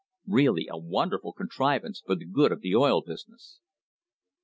Really a wonderful contrivance for the good of the oil business.